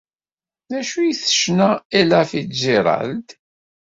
D acu ay d-tecna Ella Fitzgerald?